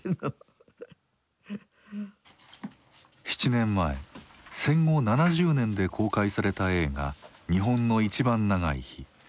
７年前戦後７０年で公開された映画「日本のいちばん長い日」。